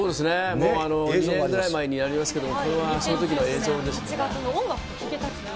もう２年ぐらい前になりますけど、これはそのときの映像ですね。